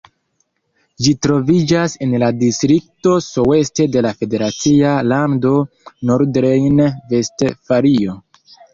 Ĝi troviĝas en la distrikto Soest de la federacia lando Nordrejn-Vestfalio.